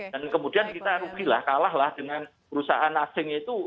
dan kemudian kita rugilah kalahlah dengan perusahaan asing itu